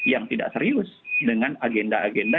yang tidak serius dengan agenda agenda